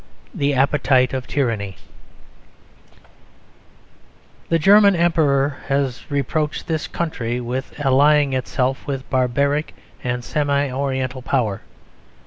III THE APPETITE OF TYRANNY The German Emperor has reproached this country with allying itself with "barbaric and semi oriental power."